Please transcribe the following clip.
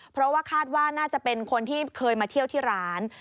เพราะว่าคาดว่าน่าจะเป็นคนที่เคยมาเที่ยวที่ร้าน